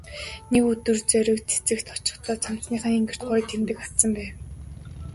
Нэг өдөр Зориг цэцэрлэгт очихдоо цамцныхаа энгэрт гоё тэмдэг хадсан байв.